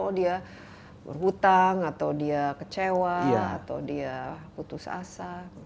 oh dia berhutang atau dia kecewa atau dia putus asa